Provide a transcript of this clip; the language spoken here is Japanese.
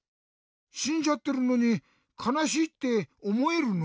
しんじゃってるのに「かなしい」っておもえるの？